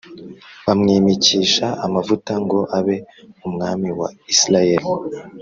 bamwimikisha amavuta ngo abe umwami wa Isirayeli.